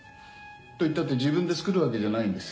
と言ったって自分で作るわけじゃないんです。